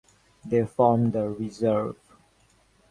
They form the reserve.